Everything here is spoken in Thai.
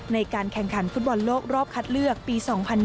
ในการแข่งขันฟุตบอลโลกรอบคัดเลือกปี๒๐๒๐